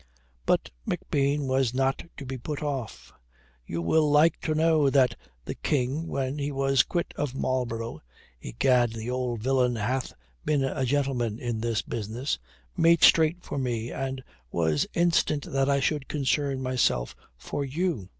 But McBean was not to be put off. "You will like to know that the King when he was quit of Marlborough egad, the old villain hath been a gentleman in this business made straight for me and was instant that I should concern myself for you.